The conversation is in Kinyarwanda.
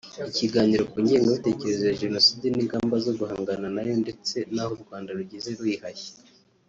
ikiganiro ku ngengabitekerezo ya Jenoside n’ingamba zo guhangana nayo ndetse n’aho u Rwanda rugeze ruyihashya